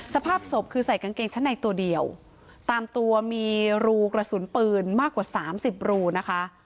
สภาพศพคือใส่กางเกงชั้นในตัวเดียวตามตัวมีรูกระสุนปืนมากกว่าสามสิบรูนะคะ